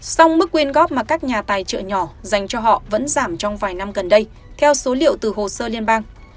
song mức quyên góp mà các nhà tài trợ nhỏ dành cho họ vẫn giảm trong vài năm gần đây theo số liệu từ hồ sơ liên bang